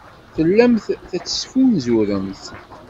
Tellamt tettfunzuremt.